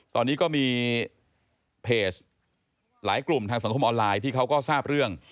ตอนนี้ก็มีเพจหลายกลุ่มทางสังคมออนไลน์ที่เขาก็ทราบเรื่อง